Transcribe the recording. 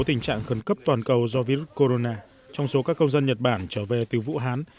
tình trạng khẩn cấp toàn cầu do virus corona trong số các công dân nhật bản trở về từ vũ hán